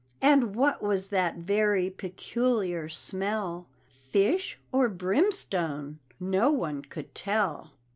And what was that very peculiar smell? Fish, or brimstone? no one could tell.